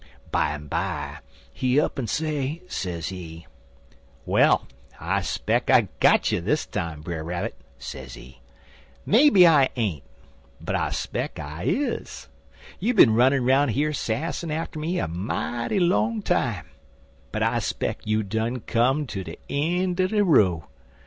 Bimeby he up'n say, sezee: "'Well, I speck I got you dis time, Brer Rabbit, sezee; 'maybe I ain't, but I speck I is. You been runnin' roun' here sassin' atter me a mighty long time, but I speck you done come ter de een' er de row.